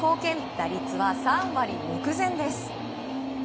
打率は３割目前です。